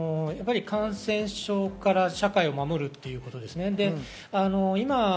感染症から社会を守るということです。